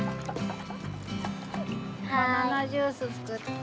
バナナジュースつくって。